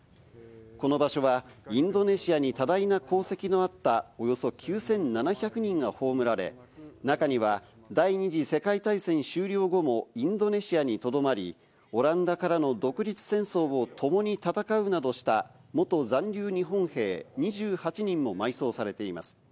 この場所は、インドネシアに多大な功績のあった、およそ９７００人が葬られ、中には第二次世界大戦終了後もインドネシアにとどまり、オランダからの独立戦争を共に戦うなどした元残留日本兵２８人も埋葬されています。